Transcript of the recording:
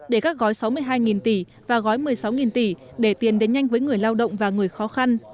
để các gói sáu mươi hai tỷ và gói một mươi sáu tỷ để tiền đến nhanh với người lao động và người khó khăn